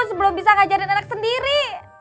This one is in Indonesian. sebelum bisa ngajarin anak sendiri